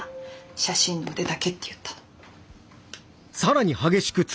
写真の腕だけって言ったの。